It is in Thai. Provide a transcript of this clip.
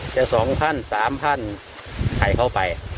จะสองพันสามพันใครเข้าไป